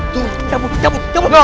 turun cabut cabut cabut